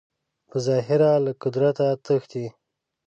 په ظاهره له قدرته تښتي